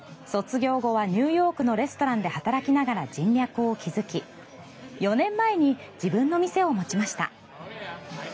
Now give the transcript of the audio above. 卒業後はニューヨークのレストランで働きながら人脈を築き４年前に自分の店を持ちました。